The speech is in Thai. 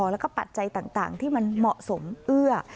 แล้วก็ปัจจัยต่างที่มันเหมาะสมเอื้อ